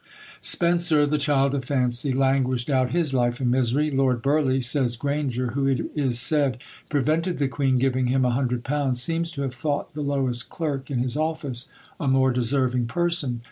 Spenser, the child of Fancy, languished out his life in misery, "Lord Burleigh," says Granger, "who it is said prevented the queen giving him a hundred pounds, seems to have thought the lowest clerk in his office a more deserving person."